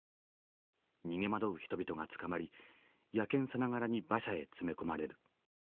逃げ惑う人々が捕まり野犬さながらに馬車へ詰め込まれる。